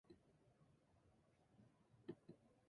The primary types are ochre, sienna and umber.